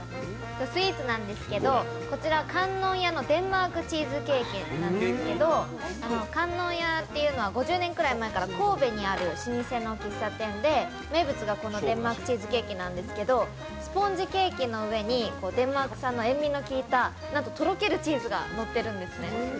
スイーツなんですけど、こちら観音屋のデンマークチーズケーキなんですけど観音屋というのは５０年くらい前から神戸にある老舗の喫茶店で、名物がこのデンマークチーズケーキなんですけど、スポンジケーキの上にデンマーク産の塩みの利いたとろけるチーズがのってるんですね。